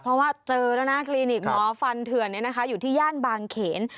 เพราะว่าเจอแล้วนะคลินิกหมอฟันเถื่อนอยู่ที่ย่านบางเขน